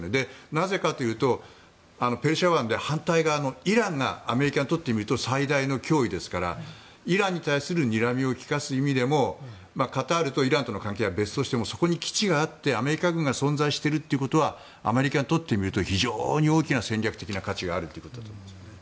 なぜかというとペルシャ湾で反対側のイランがアメリカにとってみると最大の脅威ですからイランに対するにらみを利かせる意味でもカタールとイランとの関係は別としてもそこに基地があってアメリカ軍が存在しているということはアメリカにとってみると非常に大きな戦略的な価値があるということだと思います。